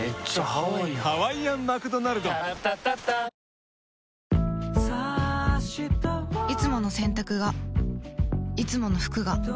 さらにいつもの洗濯がいつもの服が